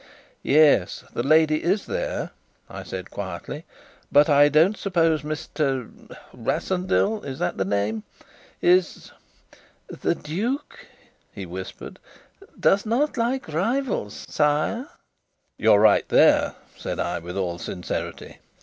"Yes, the lady is there," I said quietly. "But I don't suppose Mr. Rassendyll is that the name? is." "The duke," he whispered, "does not like rivals, sire." "You're right there," said I, with all sincerity.